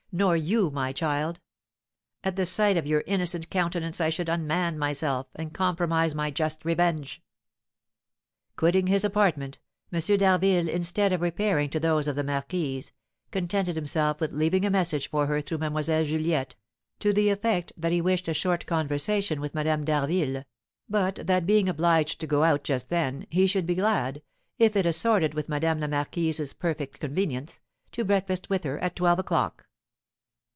Nor you, my child. At the sight of your innocent countenance I should unman myself, and compromise my just revenge." Quitting his apartment, M. d'Harville, instead of repairing to those of the marquise, contented himself with leaving a message for her through Mlle. Juliette, to the effect that he wished a short conversation with Madame d'Harville, but that being obliged to go out just then, he should be glad, if it assorted with Madame la Marquise's perfect convenience, to breakfast with her at twelve o'clock.